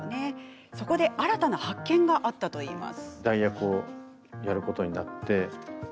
そこで新たな発見があったといいます。